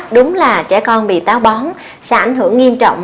đúng là trẻ con bị táo bón sẽ ảnh hưởng nghiêm trọng